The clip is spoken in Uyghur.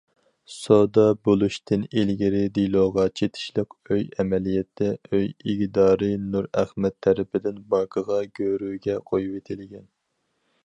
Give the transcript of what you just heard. سودا بولۇشتىن ئىلگىرى دېلوغا چېتىشلىق ئۆي ئەمەلىيەتتە ئۆي ئىگىدارى نۇرئەخمەت تەرىپىدىن بانكىغا گۆرۈگە قويۇۋېتىلگەن.